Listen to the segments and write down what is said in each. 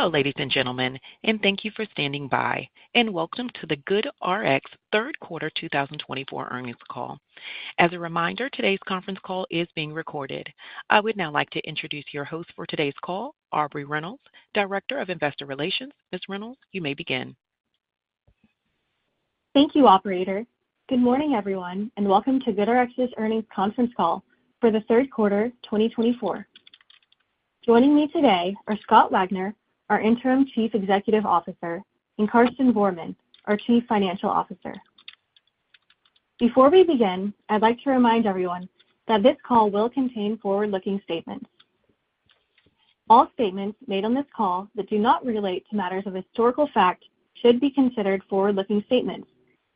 Hello, ladies and gentlemen, and thank you for standing by. And welcome to the GoodRx Q3 2024 Earnings Call. As a reminder, today's conference call is being recorded. I would now like to introduce your host for today's call, Aubrey Reynolds, Director of Investor Relations. Ms. Reynolds, you may begin. Thank you, Operator. Good morning, everyone, and welcome to GoodRx's Earnings Conference Call for the Q3 2024. Joining me today are Scott Wagner, our interim Chief Executive Officer, and Karsten Voermann, our Chief Financial Officer. Before we begin, I'd like to remind everyone that this call will contain forward-looking statements. All statements made on this call that do not relate to matters of historical fact should be considered forward-looking statements,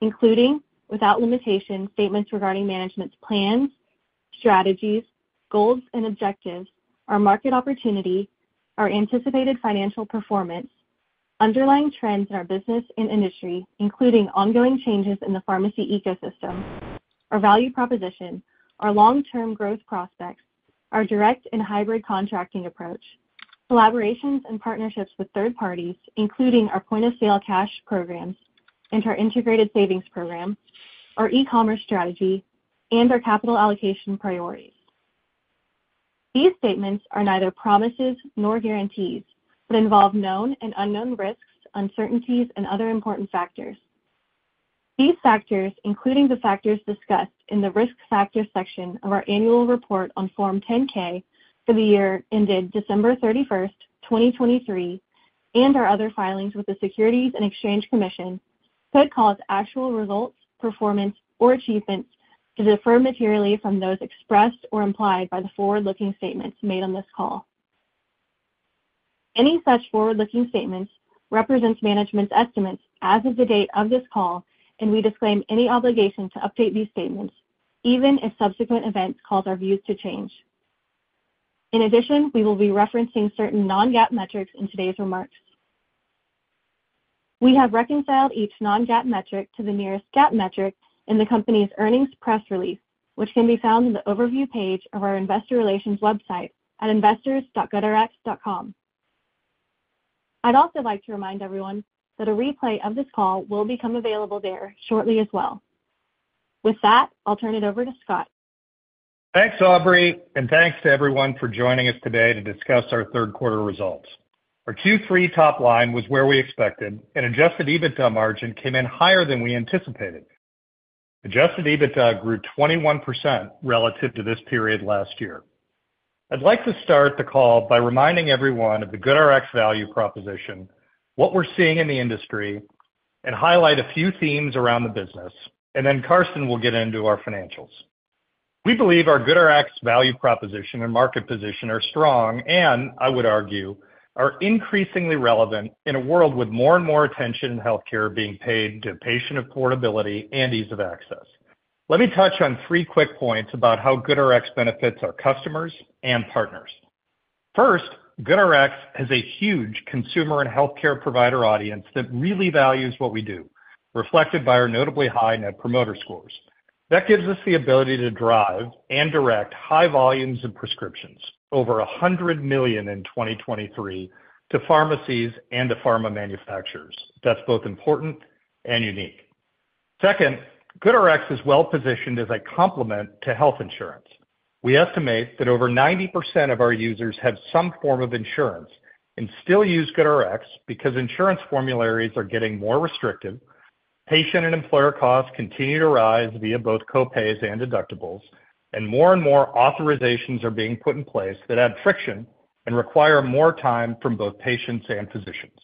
including, without limitation, statements regarding management's plans, strategies, goals and objectives, our market opportunity, our anticipated financial performance, underlying trends in our business and industry, including ongoing changes in the pharmacy ecosystem, our value proposition, our long-term growth prospects, our direct and hybrid contracting approach, collaborations and partnerships with third parties, including our point-of-sale cash programs, and our integrated savings program, our e-commerce strategy, and our capital allocation priorities. These statements are neither promises nor guarantees but involve known and unknown risks, uncertainties, and other important factors. These factors, including the factors discussed in the risk factor section of our annual report on Form 10-K for the year ended December 31st, 2023, and our other filings with the Securities and Exchange Commission, could cause actual results, performance, or achievements to differ materially from those expressed or implied by the forward-looking statements made on this call. Any such forward-looking statements represents management's estimates as of the date of this call, and we disclaim any obligation to update these statements, even if subsequent events cause our views to change. In addition, we will be referencing certain non-GAAP metrics in today's remarks. We have reconciled each non-GAAP metric to the nearest GAAP metric in the company's earnings press release, which can be found in the overview page of our Investor Relations website at investors.goodrx.com. I'd also like to remind everyone that a replay of this call will become available there shortly as well. With that, I'll turn it over to Scott. Thanks, Aubrey, and thanks to everyone for joining us today to discuss our Q3 results. Our Q3 top line was where we expected, and adjusted EBITDA margin came in higher than we anticipated. Adjusted EBITDA grew 21% relative to this period last year. I'd like to start the call by reminding everyone of the GoodRx value proposition, what we're seeing in the industry, and highlight a few themes around the business, and then Karsten will get into our financials. We believe our GoodRx value proposition and market position are strong, and I would argue are increasingly relevant in a world with more and more attention in healthcare being paid to patient affordability and ease of access. Let me touch on three quick points about how GoodRx benefits our customers and partners. First, GoodRx has a huge consumer and healthcare provider audience that really values what we do, reflected by our notably high Net Promoter Scores. That gives us the ability to drive and direct high volumes of prescriptions, over 100 million in 2023, to pharmacies and to pharma manufacturers. That's both important and unique. Second, GoodRx is well positioned as a complement to health insurance. We estimate that over 90% of our users have some form of insurance and still use GoodRx because insurance formularies are getting more restrictive, patient and employer costs continue to rise via both copays and deductibles, and more and more authorizations are being put in place that add friction and require more time from both patients and physicians.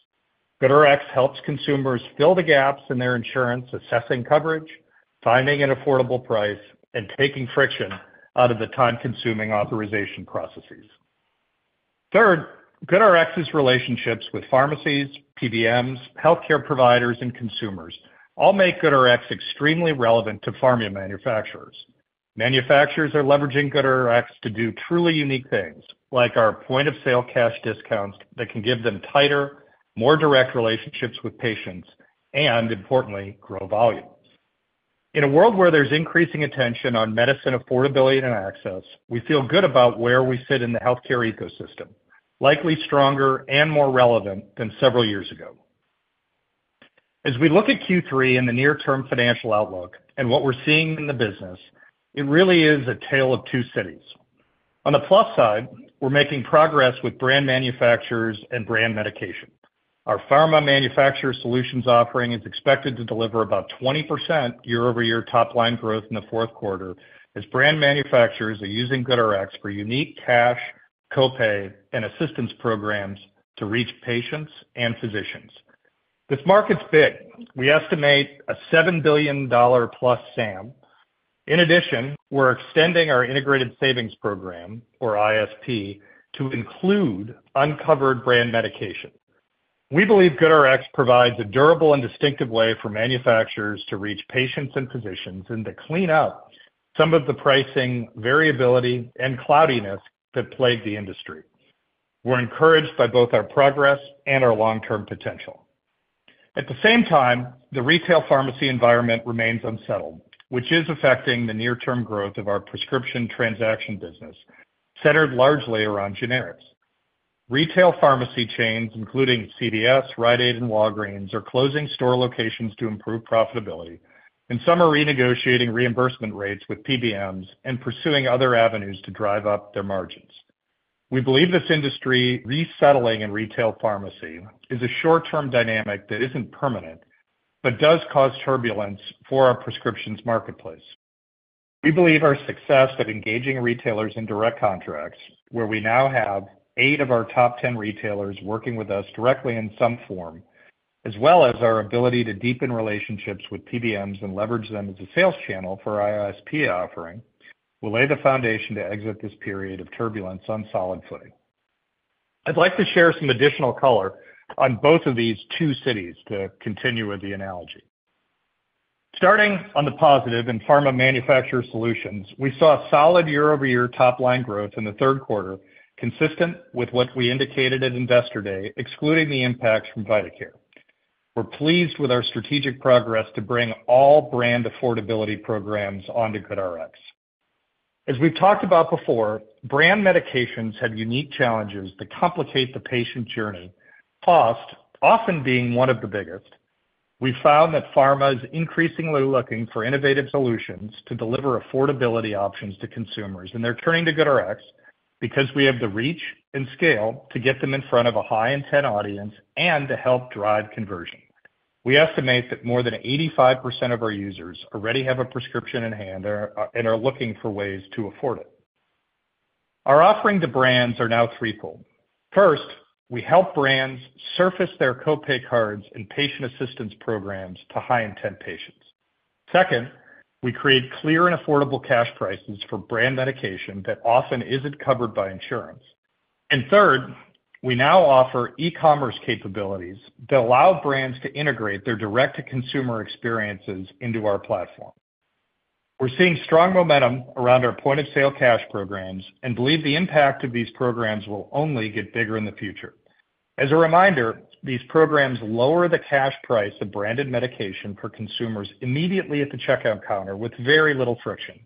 GoodRx helps consumers fill the gaps in their insurance, assessing coverage, finding an affordable price, and taking friction out of the time-consuming authorization processes. Third, GoodRx's relationships with pharmacies, PBMs, healthcare providers, and consumers all make GoodRx extremely relevant to pharma manufacturers. Manufacturers are leveraging GoodRx to do truly unique things, like our point-of-sale cash discounts that can give them tighter, more direct relationships with patients and, importantly, grow volumes. In a world where there's increasing attention on medicine affordability and access, we feel good about where we sit in the healthcare ecosystem, likely stronger and more relevant than several years ago. As we look at Q3 and the near-term financial outlook and what we're seeing in the business, it really is a tale of two cities. On the plus side, we're making progress with brand manufacturers and brand medication. Our Pharma Manufacturer Solutions offering is expected to deliver about 20% year-over-year top-line growth in the Q4 as brand manufacturers are using GoodRx for unique cash, copay, and assistance programs to reach patients and physicians. This market's big. We estimate a $7 billion-plus SAM. In addition, we're extending our Integrated Savings Program, or ISP, to include uncovered brand medication. We believe GoodRx provides a durable and distinctive way for manufacturers to reach patients and physicians and to clean up some of the pricing variability and cloudiness that plagued the industry. We're encouraged by both our progress and our long-term potential. At the same time, the retail pharmacy environment remains unsettled, which is affecting the near-term growth of our prescription transaction business, centered largely around generics. Retail pharmacy chains, including CVS, Rite Aid, and Walgreens, are closing store locations to improve profitability, and some are renegotiating reimbursement rates with PBMs and pursuing other avenues to drive up their margins. We believe this industry resettling in retail pharmacy is a short-term dynamic that isn't permanent but does cause turbulence for our prescriptions marketplace. We believe our success at engaging retailers in direct contracts, where we now have eight of our top 10 retailers working with us directly in some form, as well as our ability to deepen relationships with PBMs and leverage them as a sales channel for our ISP offering, will lay the foundation to exit this period of turbulence on solid footing. I'd like to share some additional color on both of these two cities to continue with the analogy. Starting on the positive in pharma Manufacturer Solutions, we saw solid year-over-year top-line growth in the Q3, consistent with what we indicated at Investor Day, excluding the impacts from VitaCare. We're pleased with our strategic progress to bring all brand affordability programs onto GoodRx. As we've talked about before, brand medications have unique challenges that complicate the patient journey, cost often being one of the biggest. We found that pharma is increasingly looking for innovative solutions to deliver affordability options to consumers, and they're turning to GoodRx because we have the reach and scale to get them in front of a high-intent audience and to help drive conversion. We estimate that more than 85% of our users already have a prescription in hand and are looking for ways to afford it. Our offering to brands is now threefold. First, we help brands surface their copay cards and patient assistance programs to high-intent patients. Second, we create clear and affordable cash prices for brand medication that often isn't covered by insurance. And third, we now offer e-commerce capabilities that allow brands to integrate their direct-to-consumer experiences into our platform. We're seeing strong momentum around our point-of-sale cash programs and believe the impact of these programs will only get bigger in the future. As a reminder, these programs lower the cash price of branded medication for consumers immediately at the checkout counter with very little friction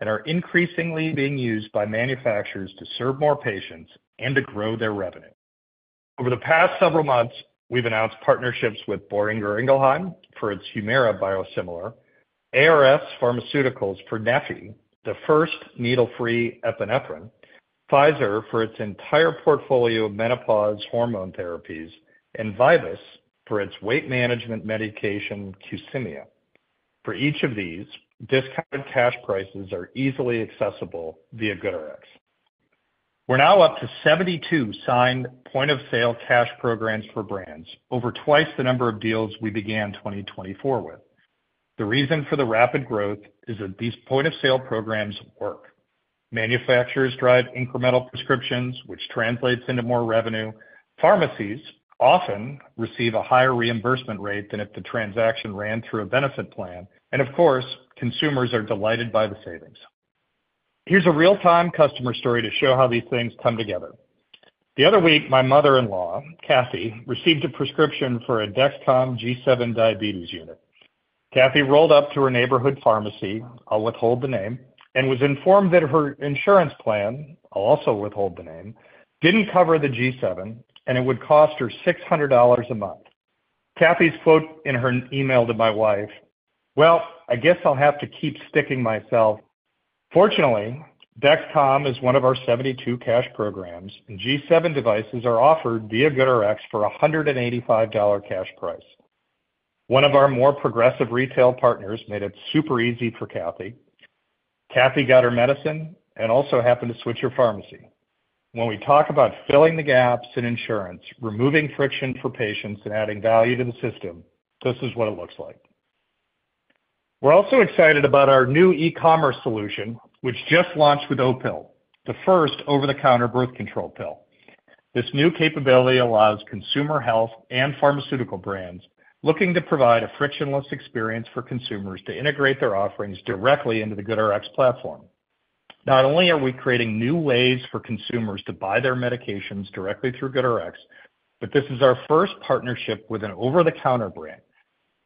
and are increasingly being used by manufacturers to serve more patients and to grow their revenue. Over the past several months, we've announced partnerships with Boehringer Ingelheim for its Humira biosimilar, ARS Pharmaceuticals for neffy, the first needle-free epinephrine, Pfizer for its entire portfolio of menopause hormone theWrapies, and VIVUS for its weight management medication, Qsymia. For each of these, discounted cash prices are easily accessible via GoodRx. We're now up to 72 signed point-of-sale cash programs for brands, over twice the number of deals we began 2024 with. The reason for the Wrapid growth is that these point-of-sale programs work. Manufacturers drive incremental prescriptions, which translates into more revenue. Pharmacies often receive a higher reimbursement rate than if the transaction ran through a benefit plan. And of course, consumers are delighted by the savings. Here's a real-time customer story to show how these things come together. The other week, my mother-in-law, Kathy, received a prescription for a Dexcom G7 diabetes unit. Kathy rolled up to her neighborhood pharmacy, I'll withhold the name, and was informed that her insurance plan, I'll also withhold the name, didn't cover the G7, and it would cost her $600 a month. Kathy's quote in her email to my wife, "Well, I guess I'll have to keep sticking myself." Fortunately, Dexcom is one of our 72 cash programs, and G7 devices are offered via GoodRx for a $185 cash price. One of our more progressive retail partners made it super easy for Kathy. Kathy got her medicine and also happened to switch her pharmacy. When we talk about filling the gaps in insurance, removing friction for patients, and adding value to the system, this is what it looks like. We're also excited about our new e-commerce solution, which just launched with Opill, the first over-the-counter birth control pill. This new capability allows consumer health and pharmaceutical brands looking to provide a frictionless experience for consumers to integrate their offerings directly into the GoodRx platform. Not only are we creating new ways for consumers to buy their medications directly through GoodRx, but this is our first partnership with an over-the-counter brand,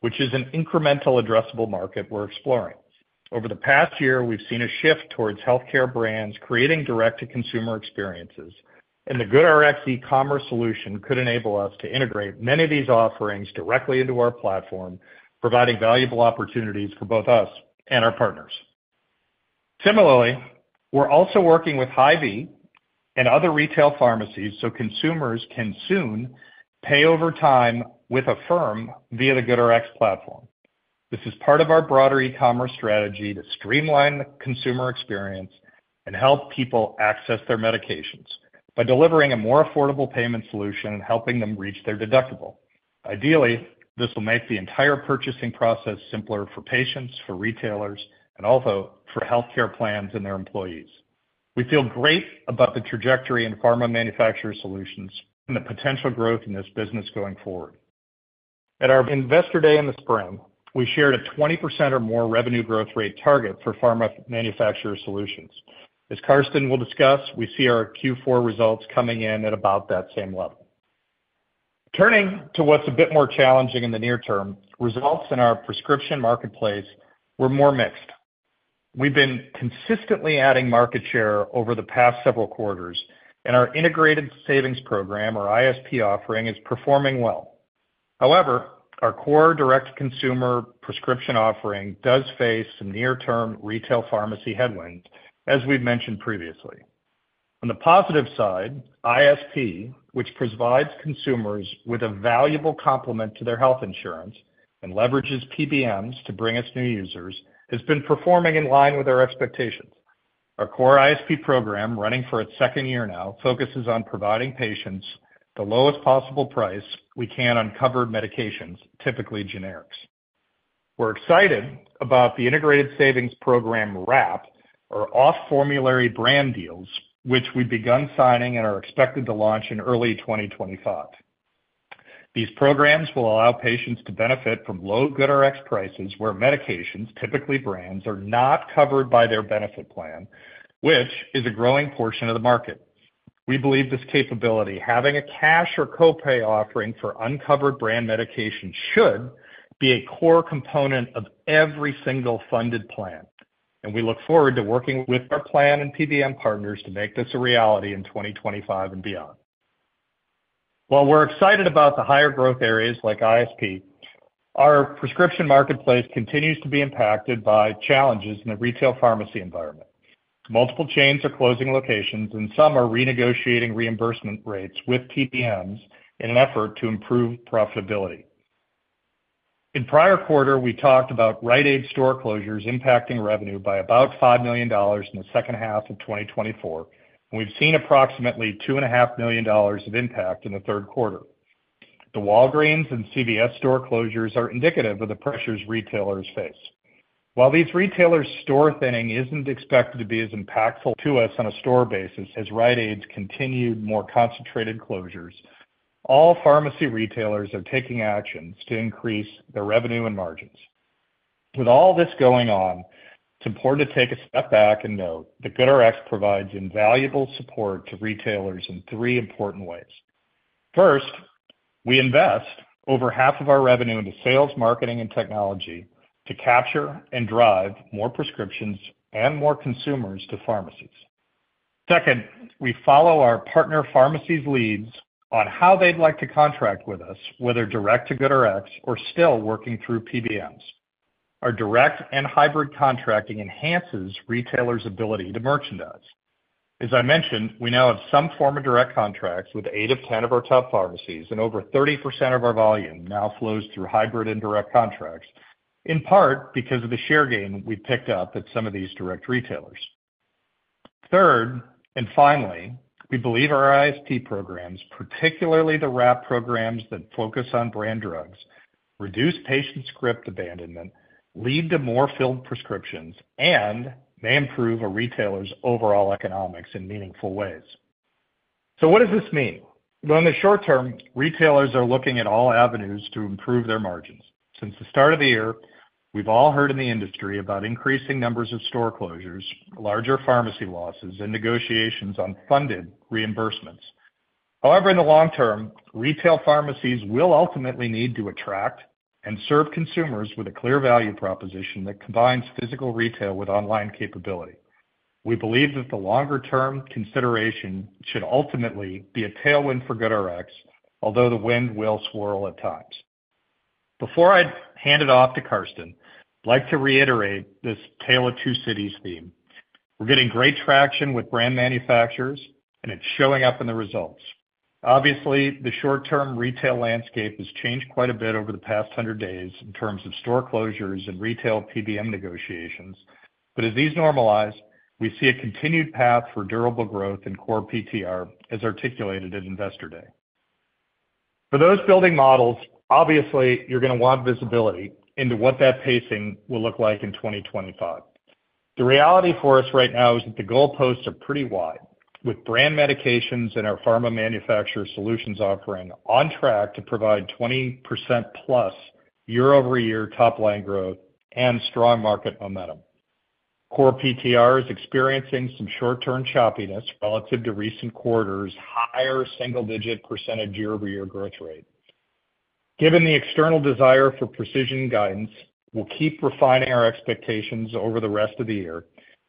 which is an incremental addressable market we're exploring. Over the past year, we've seen a shift towards healthcare brands creating direct-to-consumer experiences, and the GoodRx e-commerce solution could enable us to integrate many of these offerings directly into our platform, providing valuable opportunities for both us and our partners. Similarly, we're also working with Hy-Vee and other retail pharmacies so consumers can soon pay over time with Affirm via the GoodRx platform. This is part of our broader e-commerce strategy to streamline the consumer experience and help people access their medications by delivering a more affordable payment solution and helping them reach their deductible. Ideally, this will make the entire purchasing process simpler for patients, for retailers, and also for healthcare plans and their employees. We feel great about the trajectory in pharma Manufacturer Solutions and the potential growth in this business going forward. At our Investor Day in the spring, we shared a 20% or more revenue growth rate target for pharma Manufacturer Solutions. As Karsten will discuss, we see our Q4 results coming in at about that same level. Turning to what's a bit more challenging in the near term, results in our prescription marketplace were more mixed. We've been consistently adding market share over the past several quarters, and our integrated savings program, or ISP offering, is performing well. However, our core direct-to-consumer prescription offering does face some near-term retail pharmacy headwinds, as we've mentioned previously. On the positive side, ISP, which provides consumers with a valuable complement to their health insurance and leverages PBMs to bring us new users, has been performing in line with our expectations. Our core ISP program, running for its second year now, focuses on providing patients the lowest possible price we can on covered medications, typically generics. We're excited about the integrated savings program Wrap, or off-formulary brand deals, which we've begun signing and are expected to launch in early 2025. These programs will allow patients to benefit from low GoodRx prices where medications, typically brands, are not covered by their benefit plan, which is a growing portion of the market. We believe this capability, having a cash or copay offering for uncovered brand medication, should be a core component of every single funded plan, and we look forward to working with our plan and PBM partners to make this a reality in 2025 and beyond. While we're excited about the higher growth areas like ISP, our prescription marketplace continues to be impacted by challenges in the retail pharmacy environment. Multiple chains are closing locations, and some are renegotiating reimbursement rates with PBMs in an effort to improve profitability. In prior quarter, we talked about Rite Aid store closures impacting revenue by about $5 million in the second half of 2024, and we've seen approximately $2.5 million of impact in the Q3. The Walgreens and CVS store closures are indicative of the pressures retailers face. While these retailers' store thinning isn't expected to be as impactful to us on a store basis as Rite Aid's continued more concentrated closures, all pharmacy retailers are taking actions to increase their revenue and margins. With all this going on, it's important to take a step back and note that GoodRx provides invaluable support to retailers in three important ways. First, we invest over half of our revenue into sales, marketing, and technology to capture and drive more prescriptions and more consumers to pharmacies. Second, we follow our partner pharmacies' leads on how they'd like to contract with us, whether direct to GoodRx or still working through PBMs. Our direct and hybrid contracting enhances retailers' ability to merchandise. As I mentioned, we now have some form of direct contracts with eight of 10 of our top pharmacies, and over 30% of our volume now flows through hybrid and direct contracts, in part because of the share gain we've picked up at some of these direct retailers. Third, and finally, we believe our ISP programs, particularly the Wrap programs that focus on brand drugs, reduce patient script abandonment, lead to more filled prescriptions, and may improve a retailer's overall economics in meaningful ways. So what does this mean? Well, in the short term, retailers are looking at all avenues to improve their margins. Since the start of the year, we've all heard in the industry about increasing numbers of store closures, larger pharmacy losses, and negotiations on funded reimbursements. However, in the long term, retail pharmacies will ultimately need to attract and serve consumers with a clear value proposition that combines physical retail with online capability. We believe that the longer-term consideration should ultimately be a tailwind for GoodRx, although the wind will swirl at times. Before I hand it off to Karsten, I'd like to reiterate this tail of two cities theme. We're getting great traction with brand manufacturers, and it's showing up in the results. Obviously, the short-term retail landscape has changed quite a bit over the past 100 days in terms of store closures and retail PBM negotiations, but as these normalize, we see a continued path for durable growth in core PTR, as articulated at Investor Day. For those building models, obviously, you're going to want visibility into what that pacing will look like in 2025. The reality for us right now is that the goalposts are pretty wide, with brand medications and our Pharma Manufacturer Solutions offering on track to provide 20% plus year-over-year top-line growth and strong market momentum. Core PTR is experiencing some short-term choppiness relative to recent quarters' higher single-digit % year-over-year growth rate. Given the external desire for precision guidance, we'll keep refining our expectations over the rest of the year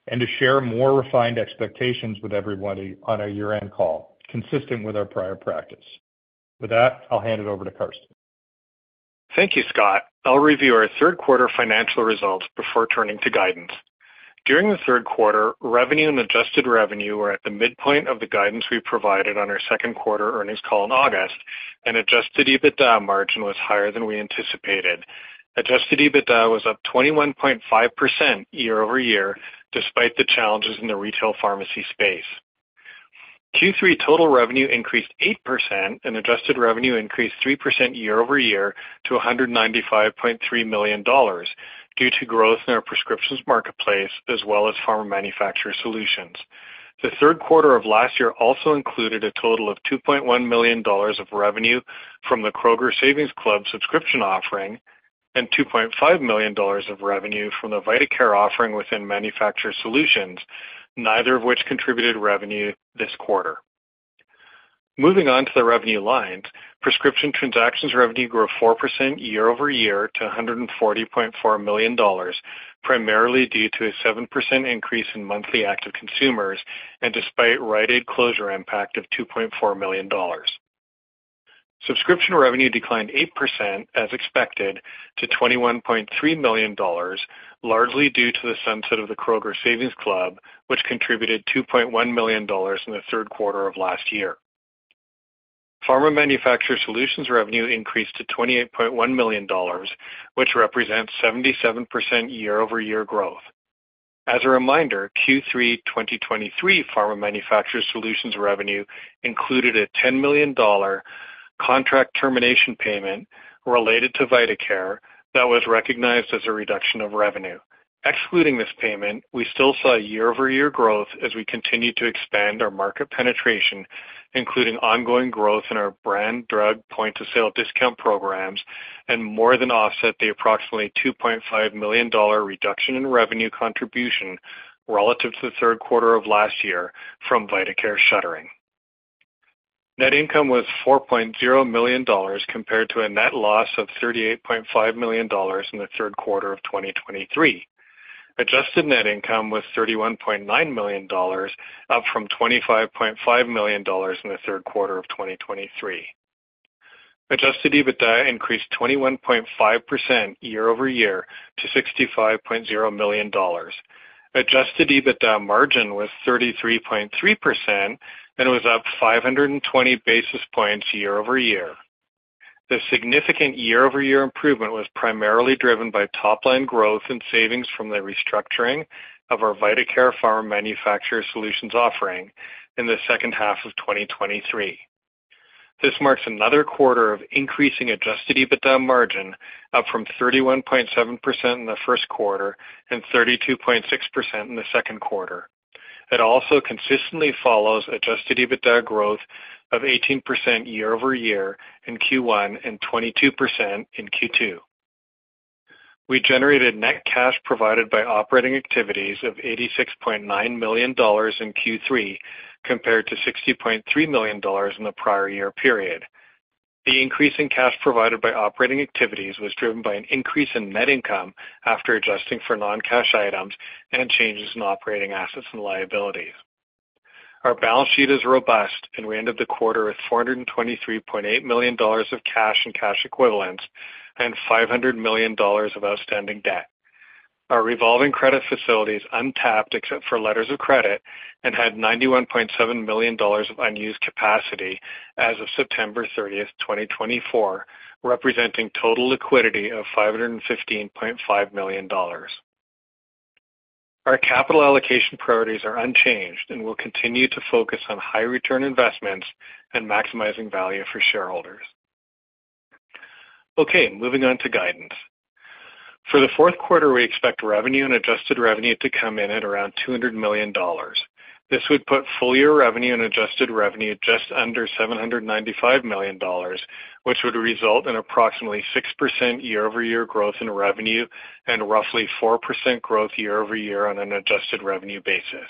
and to share more refined expectations with everybody on a year-end call, consistent with our prior practice. With that, I'll hand it over to Karsten. Thank you, Scott. I'll review our third-quarter financial results before turning to guidance. During the Q3, revenue and adjusted revenue were at the midpoint of the guidance we provided on our second-quarter earnings call in August, and Adjusted EBITDA margin was higher than we anticipated. Adjusted EBITDA was up 21.5% year-over-year, despite the challenges in the retail pharmacy space. Q3 total revenue increased 8%, and adjusted revenue increased 3% year-over-year to $195.3 million due to growth in our prescriptions marketplace as well as pharma Manufacturer Solutions. The Q3 of last year also included a total of $2.1 million of revenue from the Kroger Savings Club subscription offering and $2.5 million of revenue from the VitaCare offering within Manufacturer Solutions, neither of which contributed revenue this quarter. Moving on to the revenue lines, prescription transactions revenue grew 4% year-over-year to $140.4 million, primarily due to a 7% increase in monthly active consumers and despite Rite Aid closure impact of $2.4 million. Subscription revenue declined 8%, as expected, to $21.3 million, largely due to the sunset of the Kroger Savings Club, which contributed $2.1 million in the Q3 of last year. Pharma Manufacturer Solutions revenue increased to $28.1 million, which represents 77% year-over-year growth. As a reminder, Q3 2023 Pharma Manufacturer Solutions revenue included a $10 million contract termination payment related to VitaCare that was recognized as a reduction of revenue. Excluding this payment, we still saw year-over-year growth as we continued to expand our market penetration, including ongoing growth in our brand drug point-of-sale discount programs and more than offset the approximately $2.5 million reduction in revenue contribution relative to the Q3 of last year from VitaCare shuttering. Net income was $4.0 million compared to a net loss of $38.5 million in the Q3 of 2023. Adjusted net income was $31.9 million, up from $25.5 million in the Q3 of 2023. Adjusted EBITDA increased 21.5% year-over-year to $65.0 million. Adjusted EBITDA margin was 33.3% and was up 520 basis points year-over-year. The significant year-over-year improvement was primarily driven by top-line growth and savings from the restructuring of our VitaCare pharma Manufacturer Solutions offering in the second half of 2023. This marks another quarter of increasing Adjusted EBITDA margin, up from 31.7% in the Q1 and 32.6% in the second quarter. It also consistently follows Adjusted EBITDA growth of 18% year-over-year in Q1 and 22% in Q2. We generated net cash provided by operating activities of $86.9 million in Q3 compared to $60.3 million in the prior year period. The increase in cash provided by operating activities was driven by an increase in net income after adjusting for non-cash items and changes in operating assets and liabilities. Our balance sheet is robust, and we ended the quarter with $423.8 million of cash and cash equivalents and $500 million of outstanding debt. Our revolving credit facility is untapped except for letters of credit and had $91.7 million of unused capacity as of September 30, 2024, representing total liquidity of $515.5 million. Our capital allocation priorities are unchanged and will continue to focus on high-return investments and maximizing value for shareholders. Okay, moving on to guidance. For the Q4, we expect revenue and adjusted revenue to come in at around $200 million. This would put full-year revenue and adjusted revenue just under $795 million, which would result in approximately 6% year-over-year growth in revenue and roughly 4% growth year-over-year on an adjusted revenue basis.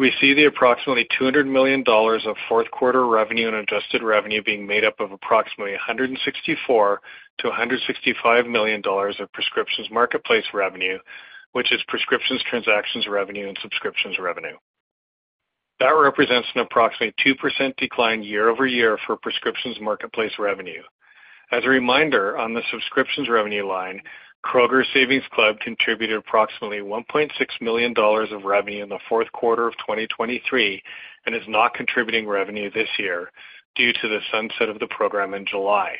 We see the approximately $200 million of Q4 revenue and adjusted revenue being made up of approximately $164 to $165 million of prescriptions marketplace revenue, which is prescriptions transactions revenue and subscriptions revenue. That represents an approximately 2% decline year-over-year for prescriptions marketplace revenue. As a reminder, on the subscriptions revenue line, Kroger Savings Club contributed approximately $1.6 million of revenue in the Q4 of 2023 and is not contributing revenue this year due to the sunset of the program in July,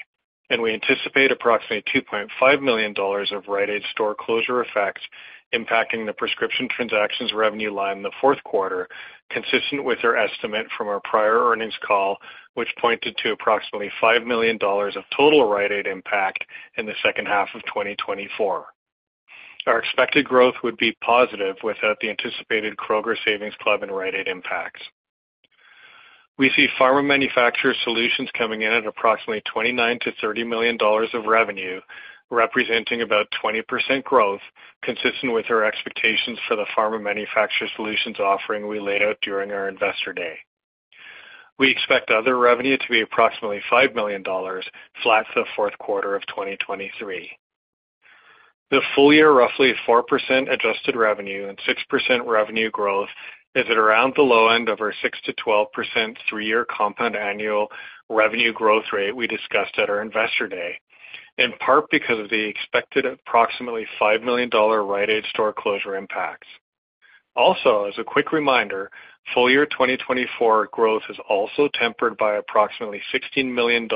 and we anticipate approximately $2.5 million of Rite Aid store closure effects impacting the prescription transactions revenue line in the Q4, consistent with our estimate from our prior earnings call, which pointed to approximately $5 million of total Rite Aid impact in the second half of 2024. Our expected growth would be positive without the anticipated Kroger Savings Club and Rite Aid impacts. We see Pharma Manufacturer Solutions coming in at approximately $29 to $30 million of revenue, representing about 20% growth, consistent with our expectations for the Pharma Manufacturer Solutions offering we laid out during our Investor Day. We expect other revenue to be approximately $5 million, flat for the Q4 of 2023. The full-year, roughly 4% adjusted revenue and 6% revenue growth is at around the low end of our 6% to 12% three-year compound annual revenue growth rate we discussed at our Investor Day, in part because of the expected approximately $5 million Rite Aid store closure impacts. Also, as a quick reminder, full-year 2024 growth is also tempered by approximately $16 million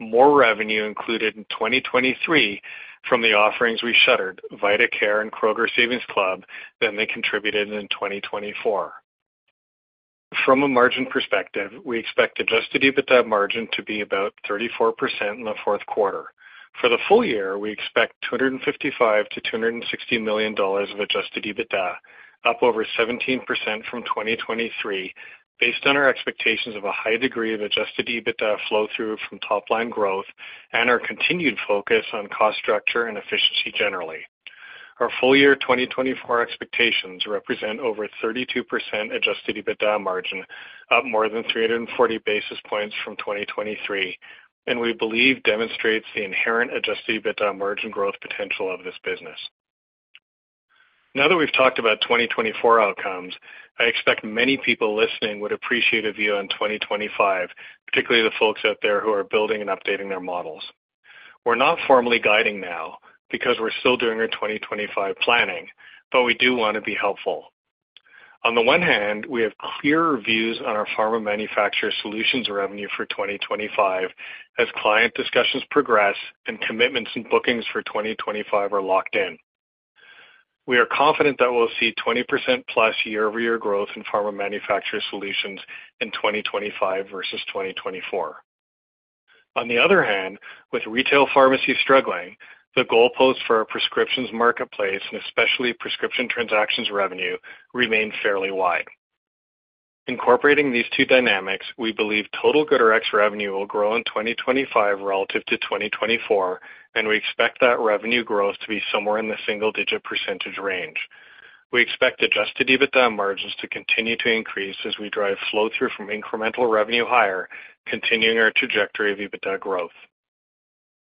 more revenue included in 2023 from the offerings we shuttered, VitaCare and Kroger Savings Club, than they contributed in 2024. From a margin perspective, we expect Adjusted EBITDA margin to be about 34% in the Q4. For the full year, we expect $255 to $260 million of adjusted EBITDA, up over 17% from 2023, based on our expectations of a high degree of adjusted EBITDA flow-through from top-line growth and our continued focus on cost structure and efficiency generally. Our full-year 2024 expectations represent over 32% adjusted EBITDA margin, up more than 340 basis points from 2023, and we believe demonstrates the inherent adjusted EBITDA margin growth potential of this business. Now that we've talked about 2024 outcomes, I expect many people listening would appreciate a view on 2025, particularly the folks out there who are building and updating their models. We're not formally guiding now because we're still doing our 2025 planning, but we do want to be helpful. On the one hand, we have clearer views on our Pharma Manufacturer Solutions revenue for 2025 as client discussions progress and commitments and bookings for 2025 are locked in. We are confident that we'll see 20% plus year-over-year growth in Pharma Manufacturer Solutions in 2025 versus 2024. On the other hand, with retail pharmacy struggling, the goalposts for our prescriptions marketplace and especially Prescription Transactions Revenue remain fairly wide. Incorporating these two dynamics, we believe total GoodRx revenue will grow in 2025 relative to 2024, and we expect that revenue growth to be somewhere in the single-digit % range. We expect Adjusted EBITDA margins to continue to increase as we drive flow-through from incremental revenue higher, continuing our trajectory of EBITDA growth.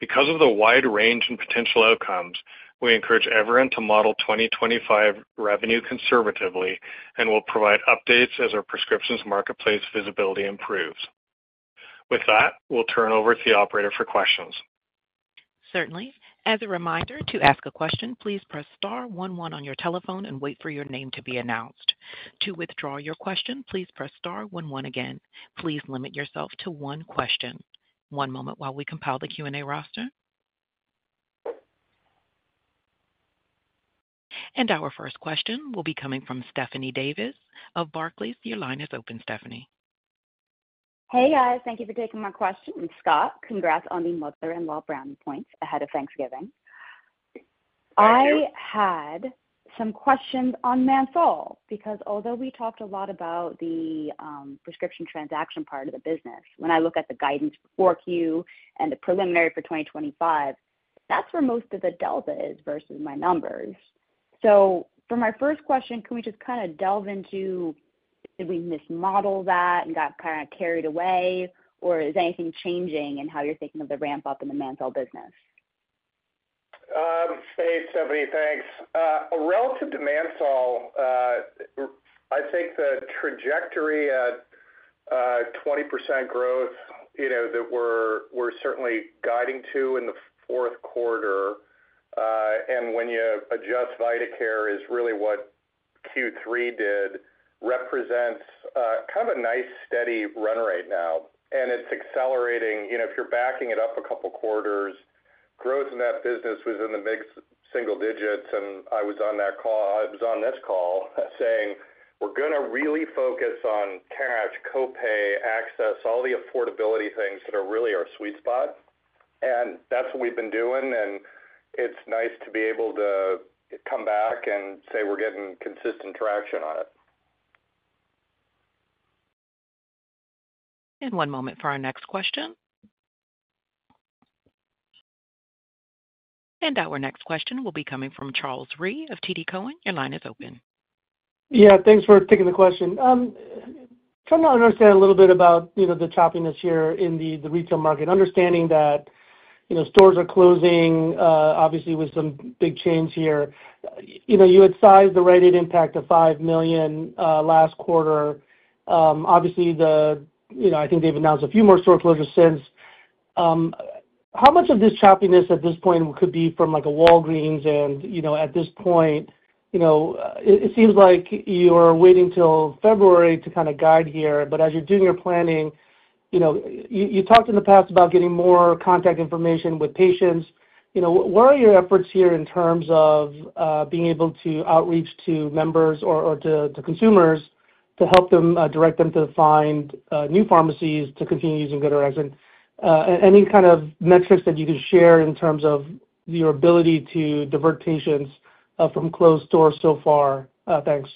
Because of the wide range and potential outcomes, we encourage everyone to model 2025 revenue conservatively and will provide updates as our prescriptions marketplace visibility improves. With that, we'll turn it over to the operator for questions. Certainly. As a reminder, to ask a question, please press star one one on your telephone and wait for your name to be announced. To withdraw your question, please press star one one again. Please limit yourself to one question. One moment while we compile the Q&A roster. And our first question will be coming from Stephanie Davis of Barclays. Your line is open, Stephanie. Hey, guys. Thank you for taking my question, Scott. Congrats on the mother-in-law brownie points ahead of Thanksgiving. I had some questions on Mansol because although we talked a lot about the prescription transaction part of the business, when I look at the guidance for Q and the preliminary for 2025, that's where most of the delta is versus my numbers. So for my first question, can we just kind of delve into. Did we mismodel that and got kind of carried away, or is anything changing in how you're thinking of the ramp-up in the Mansol business? Hey, Stephanie, thanks. Relative to Mansol, I think the trajectory at 20% growth that we're certainly guiding to in the Q4 and when you adjust VitaCare is really what Q3 did represents kind of a nice steady run right now. And it's accelerating. If you're backing it up a couple of quarters, growth in that business was in the mid-single digits, and I was on that call. I was on this call saying, "We're going to really focus on cash, copay, access, all the affordability things that are really our sweet spot." And that's what we've been doing, and it's nice to be able to come back and say we're getting consistent traction on it. And one moment for our next question. Our next question will be coming from Charles Rhyee of TD Cowen. Your line is open. Yeah, thanks for taking the question. Trying to understand a little bit about the choppiness here in the retail market, understanding that stores are closing, obviously with some big chains here. You had sized the Rite Aid impact to $5 million last quarter. Obviously, I think they've announced a few more store closures since. How much of this choppiness at this point could be from a Walgreens? And at this point, it seems like you're waiting till February to kind of guide here. But as you're doing your planning, you talked in the past about getting more contact information with patients. What are your efforts here in terms of being able to outreach to members or to consumers to help them direct them to find new pharmacies to continue using GoodRx? And any kind of metrics that you can share in terms of your ability to divert patients from closed stores so far? Thanks.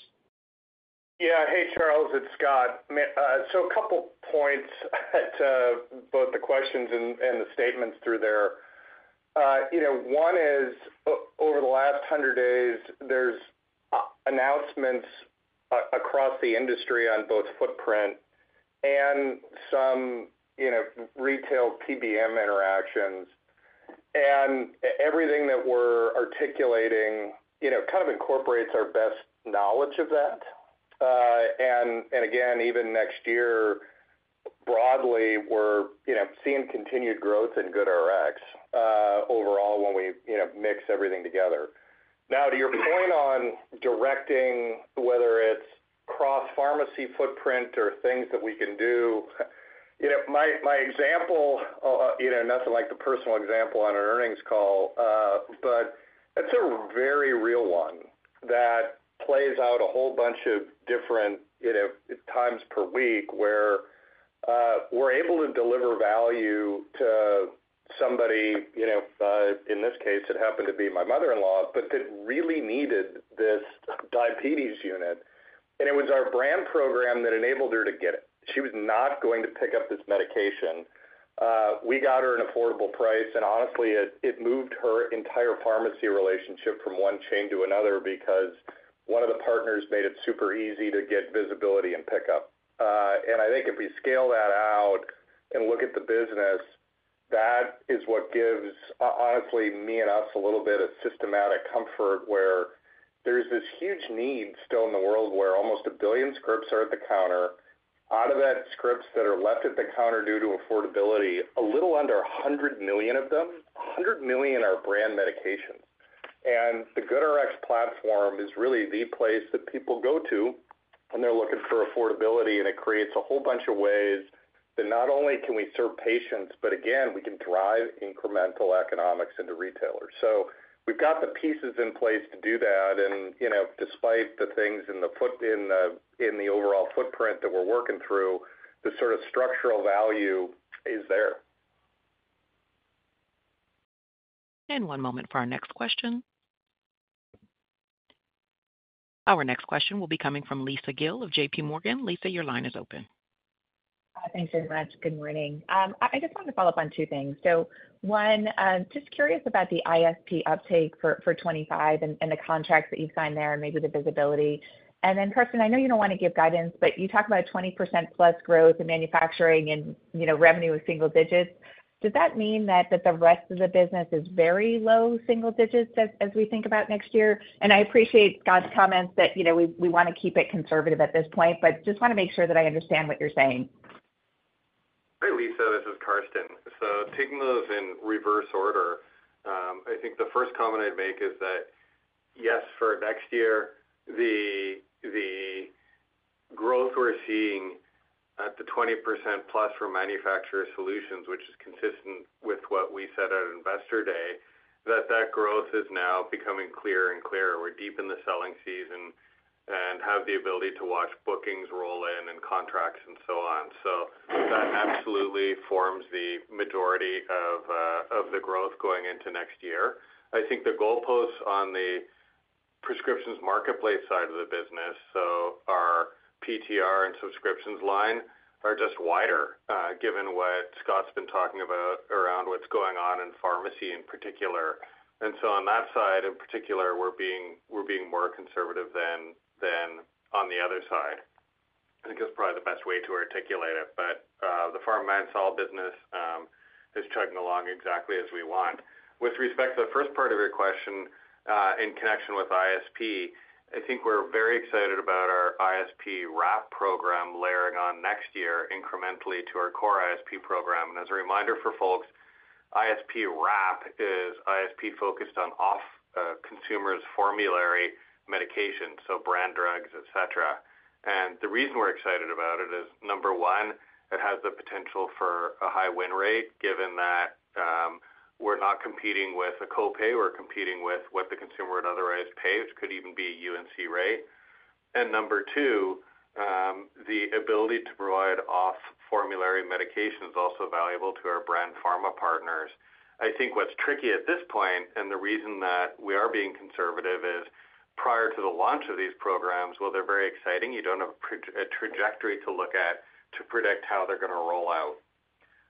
Yeah. Hey, Charles, it's Scott. So a couple of points to both the questions and the statements through there. One is, over the last 100 days, there's announcements across the industry on both footprint and some retail PBM interactions. And everything that we're articulating kind of incorporates our best knowledge of that. And again, even next year, broadly, we're seeing continued growth in GoodRx overall when we mix everything together. Now, to your point on directing, whether it's cross-pharmacy footprint or things that we can do, my example, nothing like the personal example on an earnings call, but it's a very real one that plays out a whole bunch of different times per week where we're able to deliver value to somebody. In this case, it happened to be my mother-in-law, but that really needed this diabetes unit. And it was our brand program that enabled her to get it. She was not going to pick up this medication. We got her an affordable price. And honestly, it moved her entire pharmacy relationship from one chain to another because one of the partners made it super easy to get visibility and pickup. And I think if we scale that out and look at the business, that is what gives, honestly, me and us a little bit of systematic comfort where there's this huge need still in the world where almost a billion scripts are at the counter. Out of that, scripts that are left at the counter due to affordability, a little under 100 million of them. 100 million are brand medications. The GoodRx platform is really the place that people go to when they're looking for affordability. And it creates a whole bunch of ways that not only can we serve patients, but again, we can drive incremental economics into retailers. So we've got the pieces in place to do that. And despite the things in the overall footprint that we're working through, the sort of structural value is there. And one moment for our next question. Our next question will be coming from Lisa Gill of JPMorgan. Lisa, your line is open. Thanks very much. Good morning. I just wanted to follow up on two things. So one, just curious about the ISP uptake for 2025 and the contracts that you've signed there and maybe the visibility. And then, personally, I know you don't want to give guidance, but you talked about 20% plus growth in Manufacturer Solutions revenue with single digits. Does that mean that the rest of the business is very low single digits as we think about next year? And I appreciate Scott's comments that we want to keep it conservative at this point, but just want to make sure that I understand what you're saying. Hey, Lisa, this is Karsten. So taking those in reverse order, I think the first comment I'd make is that, yes, for next year, the growth we're seeing at the 20% plus for Manufacturer Solutions, which is consistent with what we said at Investor Day, that that growth is now becoming clearer and clearer. We're deep in the selling season and have the ability to watch bookings roll in and contracts and so on. So that absolutely forms the majority of the growth going into next year. I think the goalposts on the prescriptions marketplace side of the business, so our PTR and subscriptions line, are just wider, given what Scott's been talking about around what's going on in pharmacy in particular. And so on that side, in particular, we're being more conservative than on the other side. I think that's probably the best way to articulate it. But the pharma and solutions business is chugging along exactly as we want. With respect to the first part of your question in connection with ISP, I think we're very excited about our ISP Wrap program layering on next year incrementally to our core ISP program. And as a reminder for folks, ISP Wrap is ISP focused on off-formulary medications, so brand drugs, etc. And the reason we're excited about it is, number one, it has the potential for a high win rate given that we're not competing with a copay. We're competing with what the consumer would otherwise pay, which could even be a U&C rate. And number two, the ability to provide off-formulary medications is also valuable to our brand pharma partners. I think what's tricky at this point, and the reason that we are being conservative, is prior to the launch of these programs, well, they're very exciting. You don't have a trajectory to look at to predict how they're going to roll out.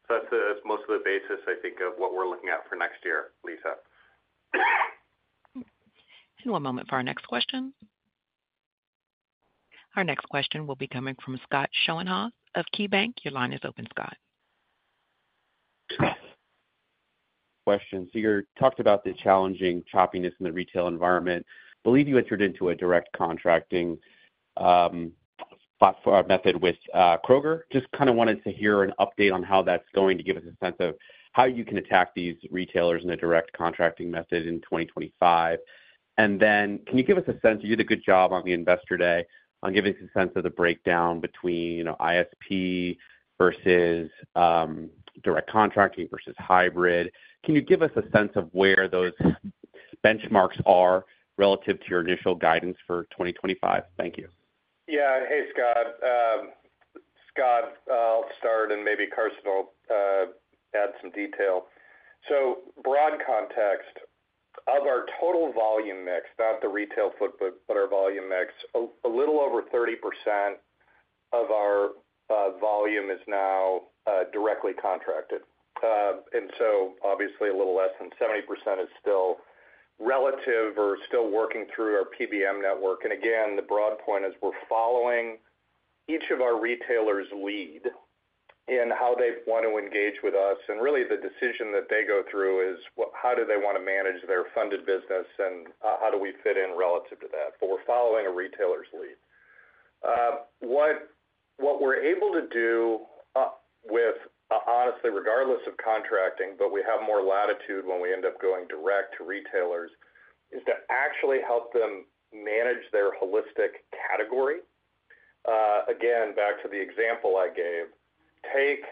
So that's most of the basis, I think, of what we're looking at for next year, Lisa. And one moment for our next question. Our next question will be coming from Scott Schoenhaus of KeyBanc. Your line is open, Scott. Question.So you talked about the challenging choppiness in the retail environment. I believe you entered into a direct contracting method with Kroger. Just kind of wanted to hear an update on how that's going to give us a sense of how you can attack these retailers in a direct contracting method in 2025. And then can you give us a sense you did a good job on the Investor Day on giving us a sense of the breakdown between ISP versus direct contracting versus hybrid. Can you give us a sense of where those benchmarks are relative to your initial guidance for 2025? Thank you. Yeah. Hey, Scott. Scott, I'll start, and maybe Karsten will add some detail. So broad context of our total volume mix, not the retail footprint, but our volume mix, a little over 30% of our volume is now directly contracted. Obviously, a little less than 70% is still relative or still working through our PBM network. Again, the broad point is we're following each of our retailers' lead in how they want to engage with us. Really, the decision that they go through is how do they want to manage their funded business, and how do we fit in relative to that? We're following a retailer's lead. What we're able to do with, honestly, regardless of contracting, but we have more latitude when we end up going direct to retailers, is to actually help them manage their holistic category. Again, back to the example I gave, take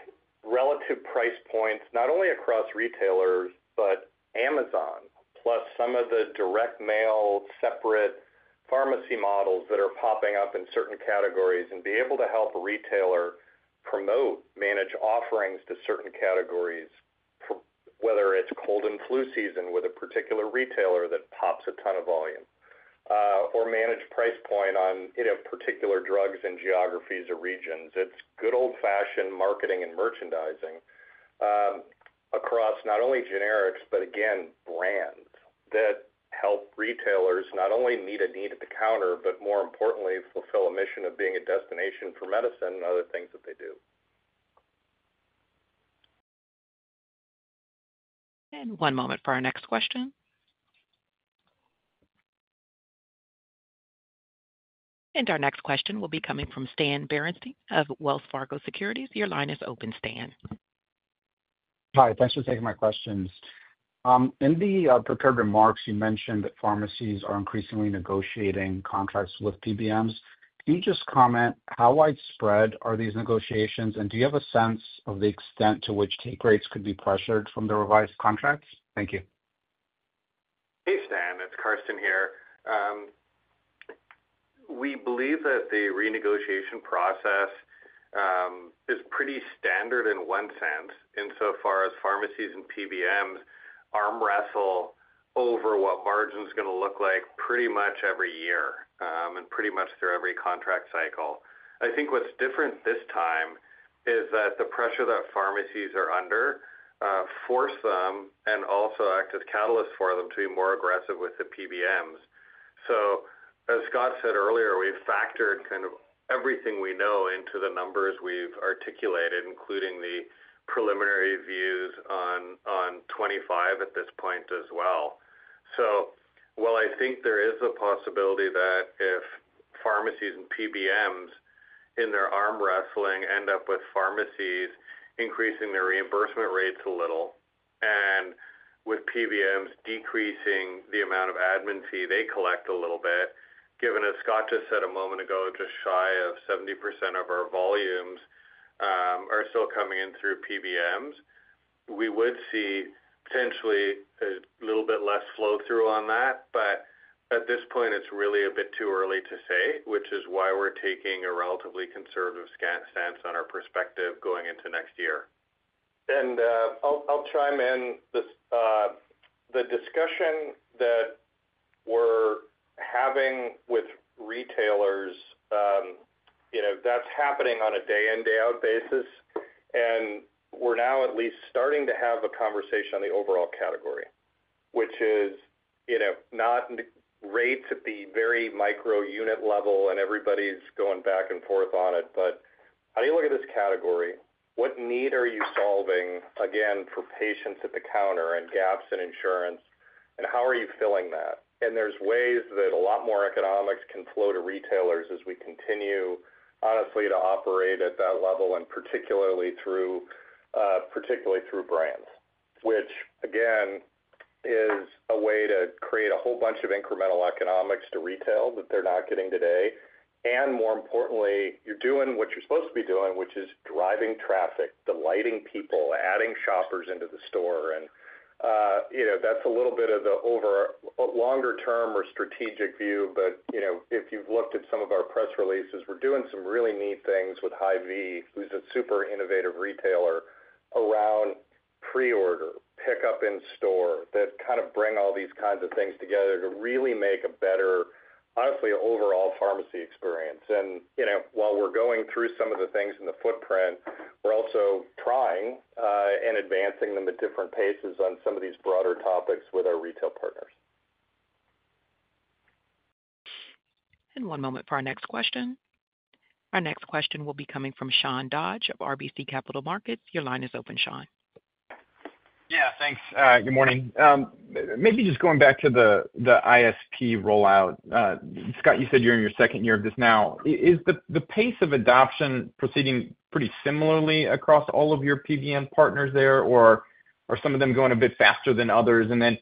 relative price points, not only across retailers, but Amazon, plus some of the direct mail separate pharmacy models that are popping up in certain categories, and be able to help a retailer promote, manage offerings to certain categories, whether it's cold and flu season with a particular retailer that pops a ton of volume, or manage price point on particular drugs and geogWraphies or regions. It's good old-fashioned marketing and merchandising across not only generics, but again, brands that help retailers not only meet a need at the counter, but more importantly, fulfill a mission of being a destination for medicine and other things that they do. And one moment for our next question. And our next question will be coming from Stan Berenshteyn of Wells Fargo Securities. Your line is open, Stan. Hi. Thanks for taking my questions.In the prepared remarks, you mentioned that pharmacies are increasingly negotiating contracts with PBMs. Can you just comment how widespread are these negotiations, and do you have a sense of the extent to which take rates could be pressured from the revised contracts? Thank you. Hey, Stan. It's Karsten here. We believe that the renegotiation process is pretty standard in one sense insofar as pharmacies and PBMs arm wrestle over what margin is going to look like pretty much every year and pretty much through every contract cycle. I think what's different this time is that the pressure that pharmacies are under force them and also act as catalysts for them to be more aggressive with the PBMs. So as Scott said earlier, we've factored kind of everything we know into the numbers we've articulated, including the preliminary views on 2025 at this point as well. So while I think there is a possibility that if pharmacies and PBMs in their arm wrestling end up with pharmacies increasing their reimbursement rates a little and with PBMs decreasing the amount of admin fee they collect a little bit, given as Scott just said a moment ago, just shy of 70% of our volumes are still coming in through PBMs, we would see potentially a little bit less flow-through on that. But at this point, it's really a bit too early to say, which is why we're taking a relatively conservative stance on our perspective going into next year. And I'll chime in. The discussion that we're having with retailers, that's happening on a day-in-day-out basis. And we're now at least starting to have a conversation on the overall category, which is not rates at the very micro-unit level, and everybody's going back and forth on it. But how do you look at this category? What need are you solving, again, for patients at the counter and gaps in insurance? And how are you filling that? And there's ways that a lot more economics can flow to retailers as we continue, honestly, to operate at that level and particularly through brands, which, again, is a way to create a whole bunch of incremental economics to retail that they're not getting today. And more importantly, you're doing what you're supposed to be doing, which is driving traffic, delighting people, adding shoppers into the store. And that's a little bit of the longer-term or strategic view. But if you've looked at some of our press releases, we're doing some really neat things with Hy-Vee, who's a super innovative retailer around pre-order, pickup in store that kind of bring all these kinds of things together to really make a better, honestly, overall pharmacy experience. And while we're going through some of the things in the footprint, we're also trying and advancing them at different paces on some of these broader topics with our retail partners. And one moment for our next question. Our next question will be coming from Sean Dodge of RBC Capital Markets. Your line is open, Sean. Yeah. Thanks. Good morning. Maybe just going back to the ISP rollout. Scott, you said you're in your second year of this now. Is the pace of adoption proceeding pretty similarly across all of your PBM partners there, or are some of them going a bit faster than others? And then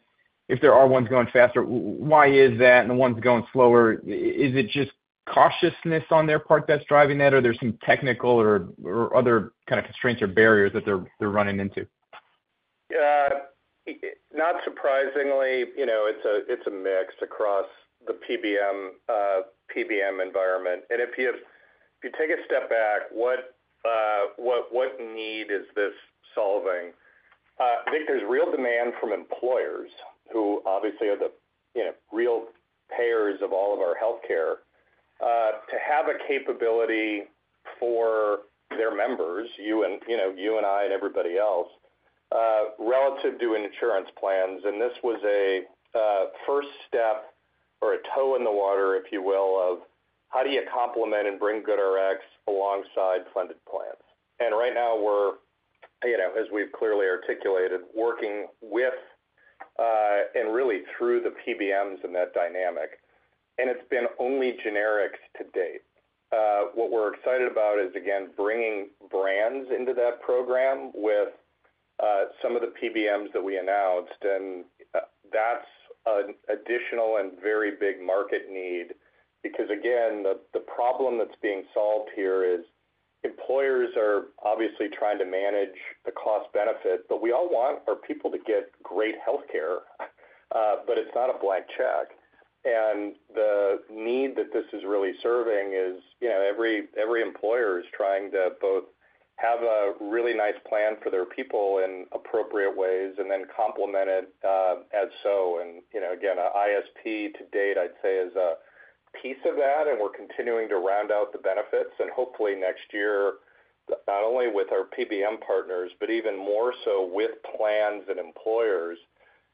if there are ones going faster, why is that? And the ones going slower, is it just cautiousness on their part that's driving that, or are there some technical or other kind of constraints or barriers that they're running into? Not surprisingly, it's a mix across the PBM environment. And if you take a step back, what need is this solving? I think there's real demand from employers who obviously are the real payers of all of our healthcare to have a capability for their members, you and I and everybody else, relative to insurance plans. And this was a first step or a toe in the water, if you will, of how do you complement and bring GoodRx alongside funded plans? And right now, we're, as we've clearly articulated, working with and really through the PBMs in that dynamic. And it's been only generics to date. What we're excited about is, again, bringing brands into that program with some of the PBMs that we announced. And that's an additional and very big market need because, again, the problem that's being solved here is employers are obviously trying to manage the cost-benefit, but we all want our people to get great healthcare, but it's not a blank check. And the need that this is really serving is every employer is trying to both have a really nice plan for their people in appropriate ways and then complement it as so. And again, ISP to date, I'd say, is a piece of that, and we're continuing to round out the benefits. And hopefully, next year, not only with our PBM partners, but even more so with plans and employers,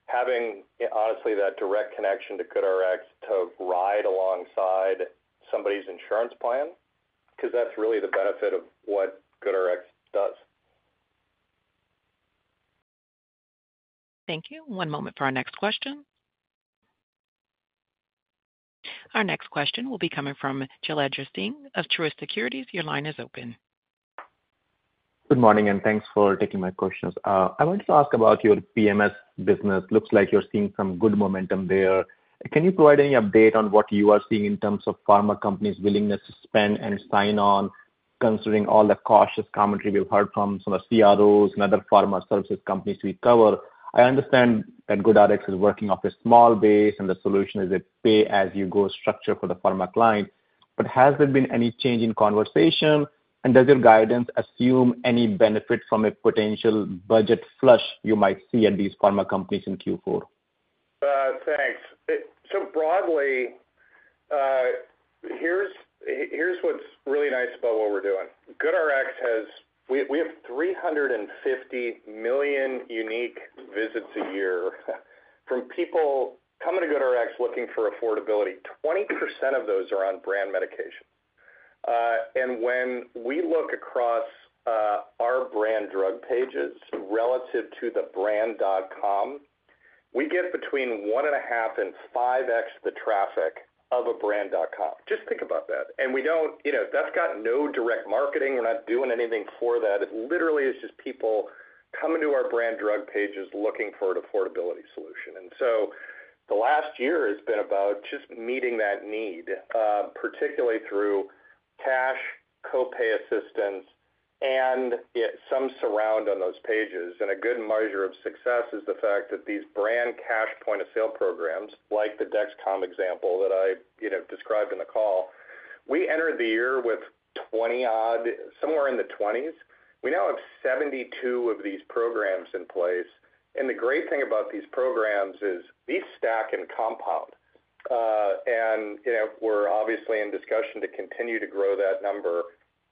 having, honestly, that direct connection to GoodRx to ride alongside somebody's insurance plan because that's really the benefit of what GoodRx does. Thank you. One moment for our next question. Our next question will be coming from Jailendra Singh of Truist Securities. Your line is open. Good morning, and thanks for taking my questions. I wanted to ask about your PMS business. Looks like you're seeing some good momentum there. Can you provide any update on what you are seeing in terms of pharma companies' willingness to spend and sign on considering all the cautious commentary we've heard from some of the CROs and other pharma services companies we cover? I understand that GoodRx is working off a small base, and the solution is a pay-as-you-go structure for the pharma client. But has there been any change in conversation, and does your guidance assume any benefit from a potential budget flush you might see at these pharma companies in Q4? Thanks. So broadly, here's what's really nice about what we're doing. GoodRx has, we have 350 million unique visits a year from people coming to GoodRx looking for affordability. 20% of those are on brand medication. And when we look across our brand drug pages relative to the brand.com, we get between one and a half and five X the traffic of a brand.com. Just think about that. And we don't, that's got no direct marketing. We're not doing anything for that. It literally is just people coming to our brand drug pages looking for an affordability solution. And so the last year has been about just meeting that need, particularly through cash, copay assistance, and some surround on those pages. And a good measure of success is the fact that these brand cash point-of-sale programs, like the DexCom example that I described in the call, we entered the year with 20 odd, somewhere in the 20s. We now have 72 of these programs in place. And the great thing about these programs is these stack and compound. And we're obviously in discussion to continue to grow that number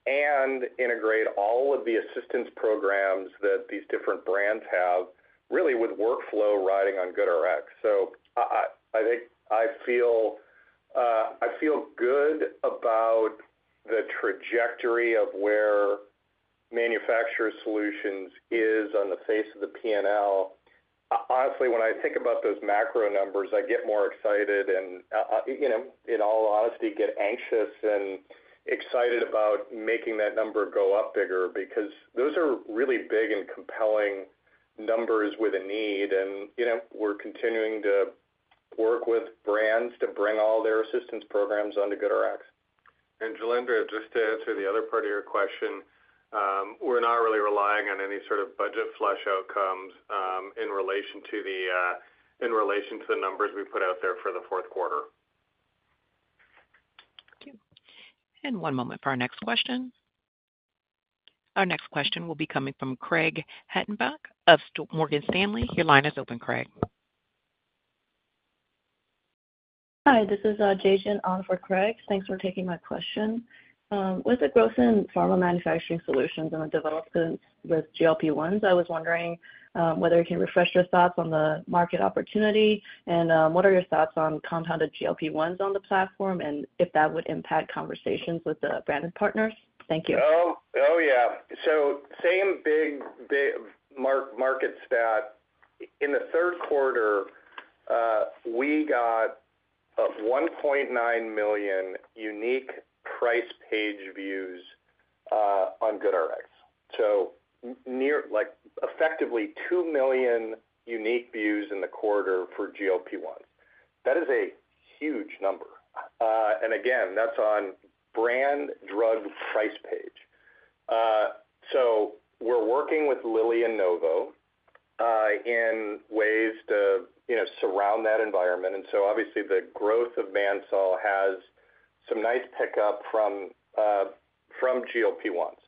and integrate all of the assistance programs that these different brands have really with workflow riding on GoodRx. So I think I feel good about the trajectory of where Manufacturer Solutions is on the face of the P&L. Honestly, when I think about those macro numbers, I get more excited and, in all honesty, get anxious and excited about making that number go up bigger because those are really big and compelling numbers with a need. We're continuing to work with brands to bring all their assistance programs onto GoodRx. And Jailendra, just to answer the other part of your question, we're not really relying on any sort of budget flush outcomes in relation to the numbers we put out there for the Q4. Thank you. And one moment for our next question. Our next question will be coming from Craig Hettenbach of Morgan Stanley. Your line is open, Craig. Hi. This is Gajen, on for Craig. Thanks for taking my question. With the growth in Pharma Manufacturer Solutions and the developments with GLP-1, I was wondering whether you can refresh your thoughts on the market opportunity and what are your thoughts on compounded GLP-1s on the platform and if that would impact conversations with the branded partners. Thank you. Oh, yeah. So same big market stat. In the Q3, we got 1.9 million unique price page views on GoodRx. So, effectively 2 million unique views in the quarter for GLP-1. That is a huge number, and again, that's on brand drug price page. So, we're working with Lilly and Novo in ways to surround that environment, and so obviously, the growth of Mansol has some nice pickup from GLP-1s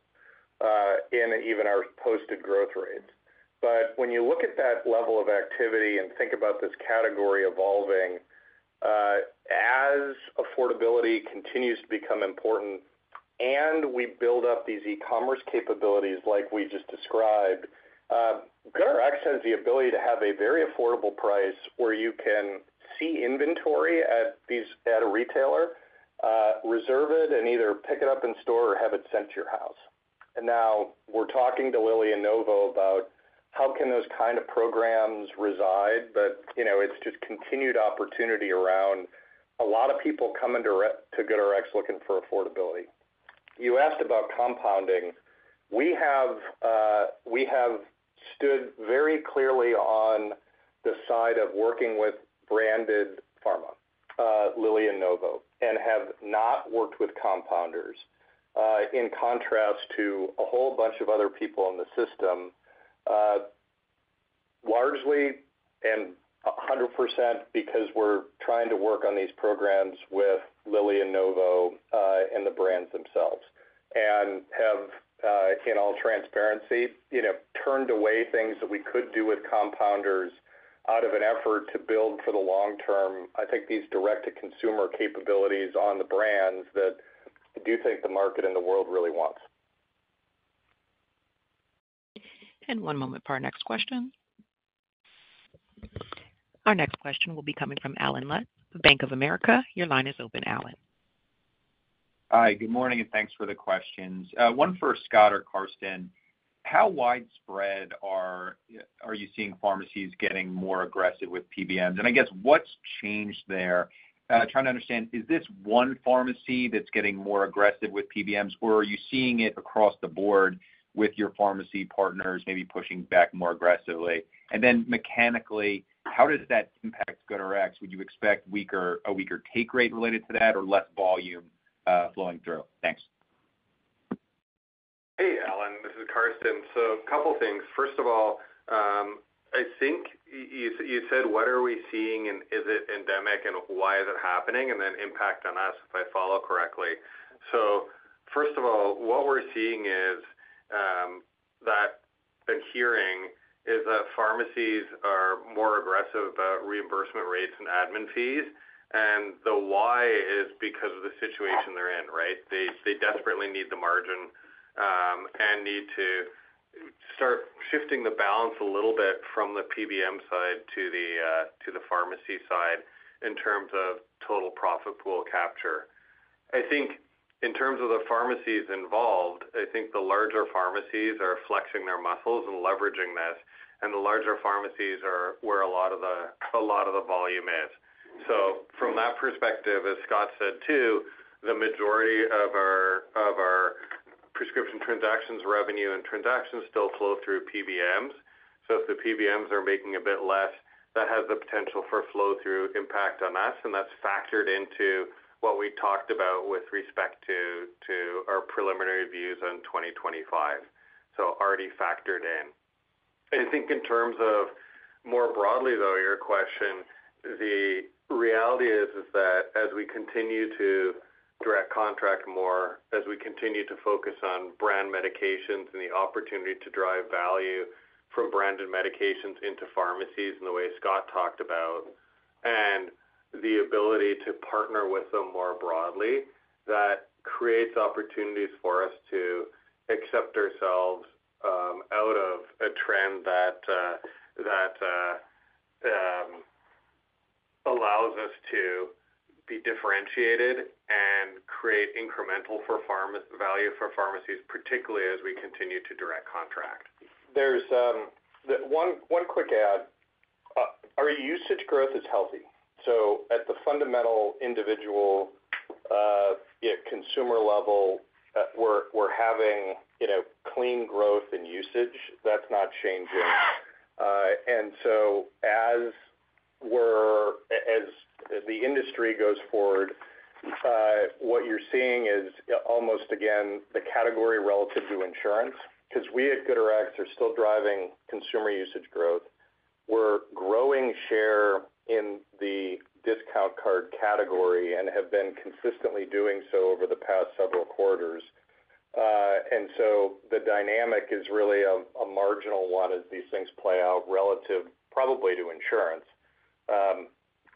in even our posted growth rates. But when you look at that level of activity and think about this category evolving, as affordability continues to become important and we build up these e-commerce capabilities like we just described, GoodRx has the ability to have a very affordable price where you can see inventory at a retailer, reserve it, and either pick it up in store or have it sent to your house. And now we're talking to Lilly and Novo about how can those kind of programs reside, but it's just continued opportunity around a lot of people coming to GoodRx looking for affordability. You asked about compounding. We have stood very clearly on the side of working with branded pharma, Lilly and Novo, and have not worked with compounders in contrast to a whole bunch of other people in the system, largely and 100% because we're trying to work on these programs with Lilly and Novo and the brands themselves. And have, in all transparency, turned away things that we could do with compounders out of an effort to build for the long-term, I think, these direct-to-consumer capabilities on the brands that I do think the market and the world really wants. And one moment for our next question. Our next question will be coming from Allen Lutz, Bank of America. Your line is open, Allen. Hi. Good morning, and thanks for the questions. One for Scott or Karsten. How widespread are you seeing pharmacies getting more aggressive with PBMs? And I guess what's changed there? Trying to understand, is this one pharmacy that's getting more aggressive with PBMs, or are you seeing it across the board with your pharmacy partners maybe pushing back more aggressively? And then mechanically, how does that impact GoodRx? Would you expect a weaker take rate related to that or less volume flowing through? Thanks. Hey, Allen. This is Karsten. So a couple of things. First of all, I think you said, "What are we seeing, and is it endemic, and why is it happening?", and then impact on us if I follow correctly. So first of all, what we're seeing and hearing is that pharmacies are more aggressive about reimbursement rates and admin fees. And the why is because of the situation they're in, right? They desperately need the margin and to start shifting the balance a little bit from the PBM side to the pharmacy side in terms of total profit pool capture. I think in terms of the pharmacies involved, the larger pharmacies are flexing their muscles and leveraging this, and the larger pharmacies are where a lot of the volume is. So from that perspective, as Scott said too, the majority of our prescription transactions revenue and transactions still flow through PBMs. So if the PBMs are making a bit less, that has the potential for flow-through impact on us, and that's factored into what we talked about with respect to our preliminary views on 2025. So already factored in. I think in terms of more broadly, though, your question, the reality is that as we continue to direct contract more, as we continue to focus on brand medications and the opportunity to drive value from branded medications into pharmacies in the way Scott talked about, and the ability to partner with them more broadly, that creates opportunities for us to extract ourselves out of a trend that allows us to be differentiated and create incremental value for pharmacies, particularly as we continue to direct contract. There's one quick add. Our usage growth is healthy. So at the fundamental individual consumer level, we're having clean growth in usage. That's not changing. And so as the industry goes forward, what you're seeing is almost, again, the category relative to insurance because we at GoodRx are still driving consumer usage growth. We're growing share in the discount card category and have been consistently doing so over the past several quarters. And so the dynamic is really a marginal one as these things play out relative probably to insurance.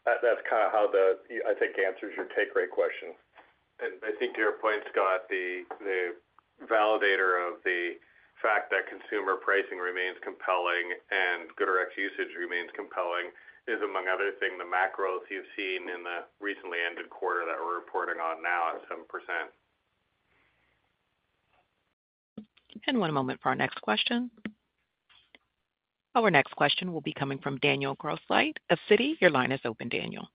That's kind of how the, I think, answers your take rate question. And I think to your point, Scott, the validator of the fact that consumer pricing remains compelling and GoodRx usage remains compelling is, among other things, the macros you've seen in the recently ended quarter that we're reporting on now at 7%. And one moment for our next question. Our next question will be coming from Daniel Grosslight of Citi. Your line is open, Daniel.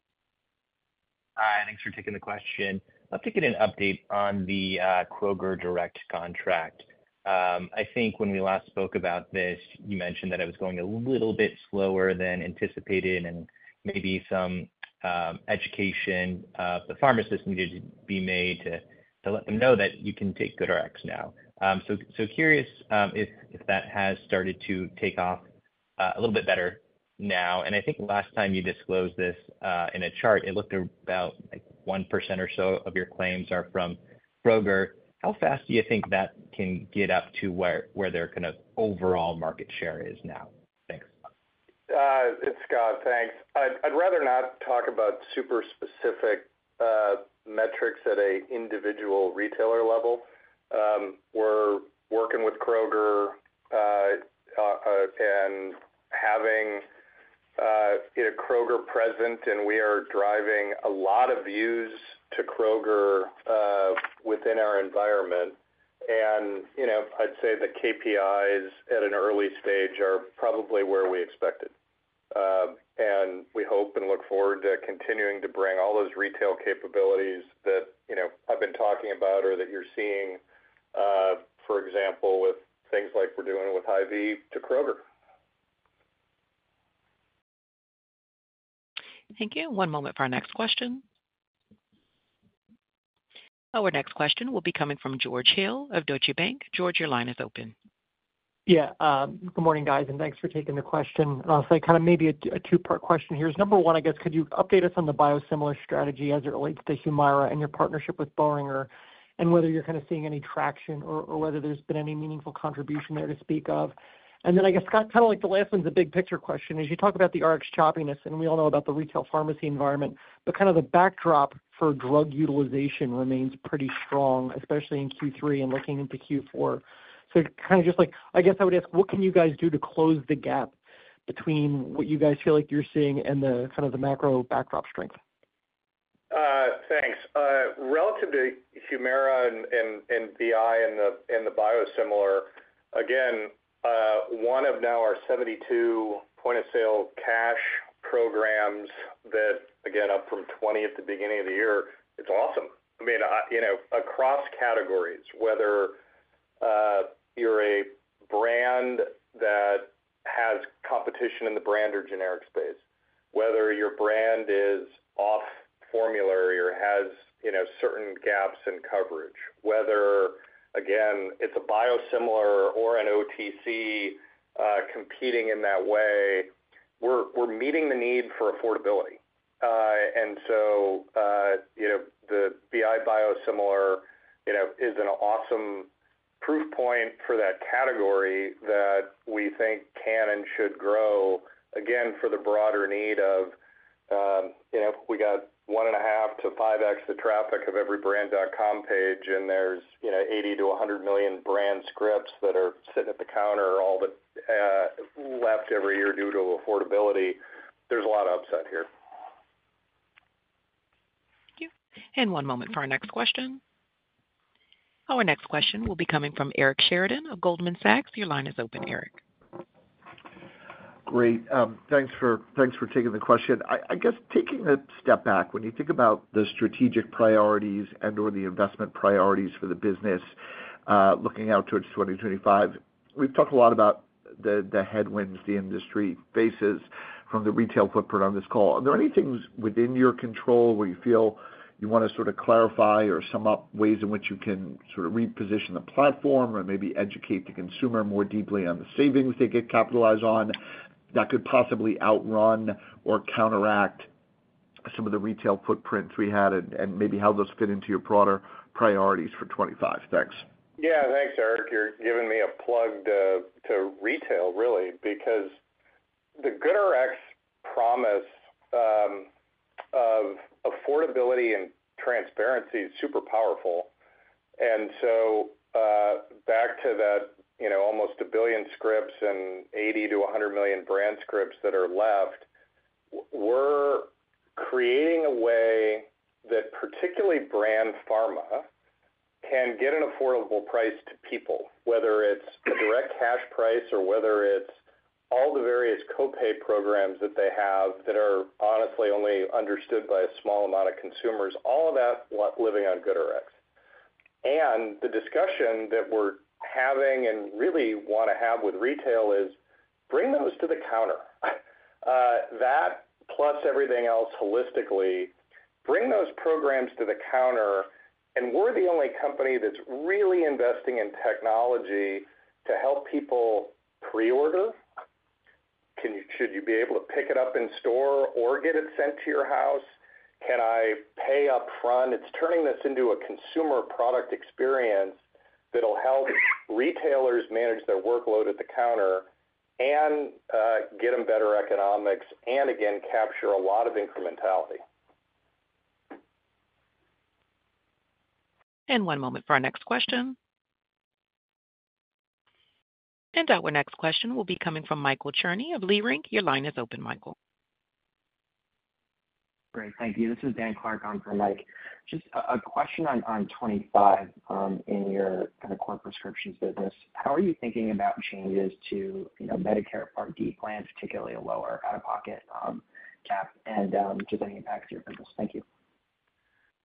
Hi. Thanks for taking the question. I'd love to get an update on the Kroger direct contract. I think when we last spoke about this, you mentioned that it was going a little bit slower than anticipated and maybe some education the pharmacist needed to be made to let them know that you can take GoodRx now. So curious if that has started to take off a little bit better now. And I think last time you disclosed this in a chart, it looked about 1% or so of your claims are from Kroger. How fast do you think that can get up to where their kind of overall market share is now? Thanks. It's Scott. Thanks. I'd rather not talk about super specific metrics at an individual retailer level. We're working with Kroger and having Kroger present, and we are driving a lot of views to Kroger within our environment. I'd say the KPIs at an early stage are probably where we expected. We hope and look forward to continuing to bring all those retail capabilities that I've been talking about or that you're seeing, for example, with things like we're doing with Hy-Vee to Kroger. Thank you. One moment for our next question. Our next question will be coming from George Hill of Deutsche Bank. George, your line is open. Yeah. Good morning, guys, and thanks for taking the question. I'll say kind of maybe a two-part question here. Number one, I guess, could you update us on the biosimilar strategy as it relates to Humira and your partnership with Boehringer and whether you're kind of seeing any traction or whether there's been any meaningful contribution there to speak of? I guess, Scott, kind of like the last one's a big picture question. As you talk about the Rx choppiness, and we all know about the retail pharmacy environment, but kind of the backdrop for drug utilization remains pretty strong, especially in Q3 and looking into Q4. So kind of just like, I guess I would ask, what can you guys do to close the gap between what you guys feel like you're seeing and the kind of the macro backdrop strength? Thanks. Relative to Humira and BI and the biosimilar, again, one of now our 72 point-of-sale cash programs that, again, up from 20 at the beginning of the year, it's awesome. I mean, across categories, whether you're a brand that has competition in the brand or generic space, whether your brand is off-formulary or has certain gaps in coverage, whether, again, it's a biosimilar or an OTC competing in that way, we're meeting the need for affordability. And so the BI biosimilar is an awesome proof point for that category that we think can and should grow, again, for the broader need of we got one and a half to five x the traffic of every brand.com page, and there's 80 to 100 million brand scripts that are sitting at the counter all but left every year due to affordability. There's a lot of upset here. Thank you. And one moment for our next question. Our next question will be coming from Eric Sheridan of Goldman Sachs. Your line is open, Eric. Great. Thanks for taking the question. I guess taking a step back, when you think about the strategic priorities and/or the investment priorities for the business looking out towards 2025, we've talked a lot about the headwinds the industry faces from the retail footprint on this call. Are there any things within your control where you feel you want to sort of clarify or sum up ways in which you can sort of reposition the platform or maybe educate the consumer more deeply on the savings they could capitalize on that could possibly outrun or counteract some of the retail footprints we had and maybe how those fit into your broader priorities for 2025? Thanks. Yeah. Thanks, Eric. You're giving me a plug to retail, really, because the GoodRx promise of affordability and transparency is super powerful. And so, back to that almost a billion scripts and 80 to 100 million brand scripts that are left, we're creating a way that particularly brand pharma can get an affordable price to people, whether it's a direct cash price or whether it's all the various copay programs that they have that are honestly only understood by a small amount of consumers, all of that living on GoodRx. And the discussion that we're having and really want to have with retail is bring those to the counter. That, plus everything else holistically, bring those programs to the counter. And we're the only company that's really investing in technology to help people pre-order. Should you be able to pick it up in store or get it sent to your house? Can I pay upfront? It's turning this into a consumer product experience that'll help retailers manage their workload at the counter and get them better economics and, again, capture a lot of incrementality. And one moment for our next question. And our next question will be coming from Michael Cherney of Leerink. Your line is open, Michael. Great. Thank you. This is Dan Clark on for Mike. Just a question on 2025 in your kind of core prescriptions business. How are you thinking about changes to Medicare Part D plans, particularly a lower out-of-pocket cap, and does that impact your business? Thank you.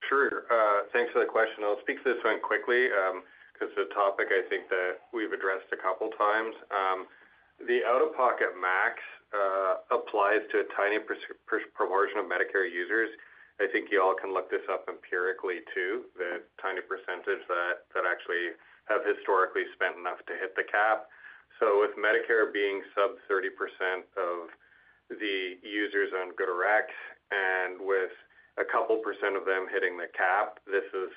Sure. Thanks for the question. I'll speak to this one quickly because it's a topic I think that we've addressed a couple of times. The out-of-pocket max applies to a tiny proportion of Medicare users. I think you all can look this up empirically too, the tiny percentage that actually have historically spent enough to hit the cap. So with Medicare being sub-30% of the users on GoodRx and with a couple% of them hitting the cap, this is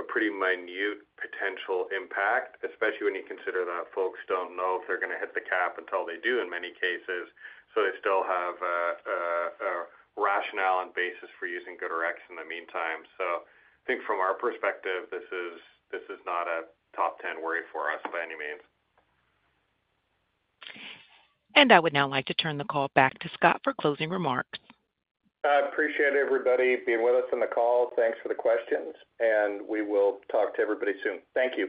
a pretty minute potential impact, especially when you consider that folks don't know if they're going to hit the cap until they do in many cases. So they still have a rationale and basis for using GoodRx in the meantime. So I think from our perspective, this is not a top 10 worry for us by any means. I would now like to turn the call back to Scott for closing remarks. I appreciate everybody being with us on the call. Thanks for the questions, and we will talk to everybody soon. Thank you.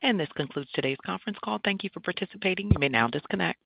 This concludes today's conference call. Thank you for participating. You may now disconnect.